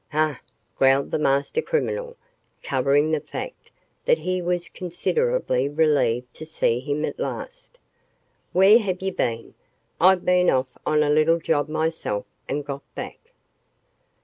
"Huh!" growled the master criminal, covering the fact that he was considerably relieved to see him at last, "where have YOU been? I've been off on a little job myself and got back."